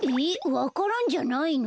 わか蘭じゃないの？